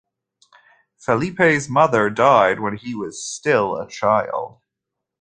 Felipe's mother died when he was still a child.